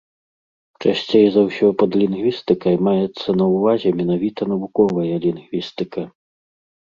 Часцей за ўсё пад лінгвістыкай маецца на ўвазе менавіта навуковая лінгвістыка.